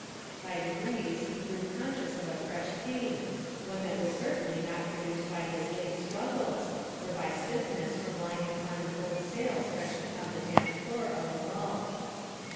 By degrees he grew conscious of a fresh pain, one that was certainly not produced by his late struggles, or by stiffness from lying upon an old sail stretched upon the damp floor of a vault.